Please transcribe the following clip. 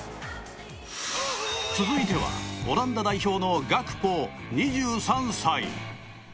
続いては、オランダ代表のガクポ、２３歳。